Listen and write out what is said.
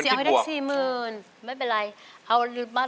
เอาให้ได้สี่หมื่นไม่เป็นไร